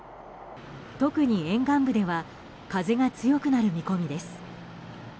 特に沿岸部では風が強くなる見込みです。